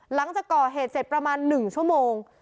หลังจากก่อเหตุเสร็จประมาณ๑ชั่วโมง